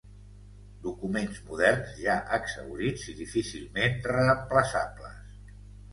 Documents moderns ja exhaurits i difícilment reemplaçables.